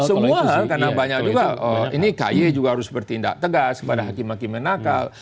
semua hal karena banyak juga ini kay juga harus bertindak tegas kepada hakim hakim yang nakal